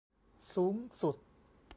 สูงสุด